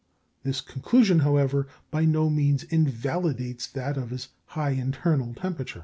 This conclusion, however, by no means invalidates that of his high internal temperature.